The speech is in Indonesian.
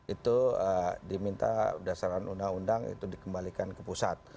itu diminta berdasarkan undang undang itu dikembalikan ke pusat